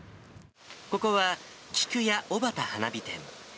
ここは、菊屋小幡花火店。